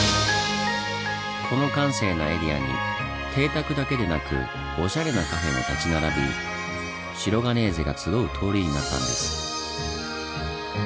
この閑静なエリアに邸宅だけでなくおしゃれなカフェも立ち並びシロガネーゼが集う通りになったんです。